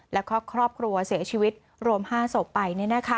และก็ครอบครัวเสียชีวิตโรมห้าศพไป